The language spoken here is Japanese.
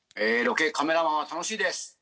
ロケカメラマンは楽しいです！